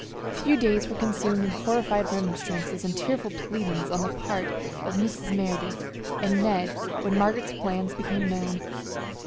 A few days were consumed in horrified remonstrances and tearful pleadings on the part of Mrs. Merideth and Ned when Margaret's plans became known.